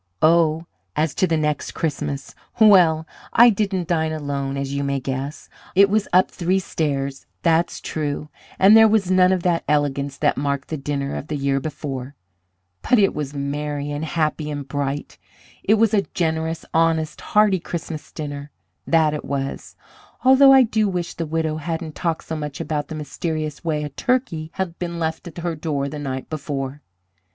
"Oh, as to the next Christmas. Well, I didn't dine alone, as you may guess. It was up three stairs, that's true, and there was none of that elegance that marked the dinner of the year before; but it was merry, and happy, and bright; it was a generous, honest, hearty Christmas dinner, that it was, although I do wish the widow hadn't talked so much about the mysterious way a turkey had been left at her door the night before.